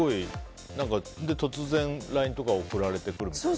で、突然ＬＩＮＥとか送られてくるんだって？